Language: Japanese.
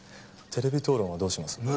テレビ討論はどうします？